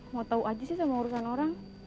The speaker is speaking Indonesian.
mau tahu aja sih sama urusan orang